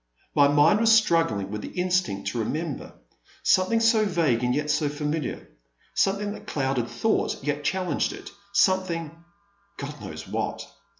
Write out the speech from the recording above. My mind was struggling with the instinct to remember. Some thing so vague and yet so familiar — something that eluded thought yet challenged it, something — God knows what